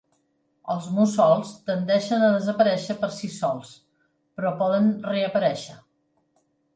Els mussols tendeixen a desaparèixer per si sols, però poden reaparèixer.